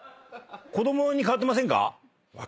子供に代わってませんか？